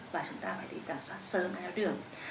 và chúng ta phải tầm soát sớm đáy áo đường